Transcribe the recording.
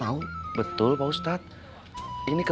tak cuerpo ui bahkan apa